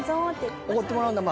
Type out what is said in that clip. おごってもらうんだ？